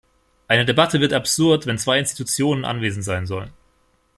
Eine Debatte wird absurd, wenn zwei Institutionen anwesend sein sollen.